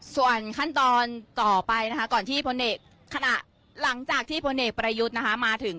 ส่วนขั้นตอนต่อไปนะคะก่อนที่พลเอกหลังจากที่พลเอกประยุทธ์มาถึง